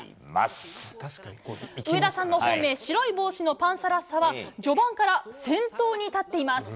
上田さんの本命白い帽子のパンサラッサは序盤から先頭に立っています。